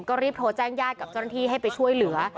ก็รีบโทรแจ้งญาติกับเจ้าหน้าที่ให้ไปช่วยเหลือ